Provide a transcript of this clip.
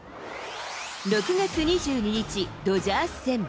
６月２２日、ドジャース戦。